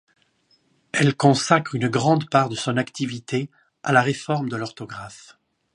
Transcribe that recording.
Elle consacre une grande part de son activité à la réforme de l’orthographe.